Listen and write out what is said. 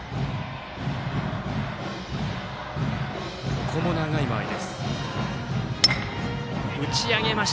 ここも長い間合い。